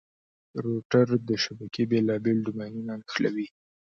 روټر د شبکې بېلابېل ډومېنونه نښلوي.